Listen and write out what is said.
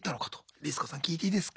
リス子さん聞いていいですか？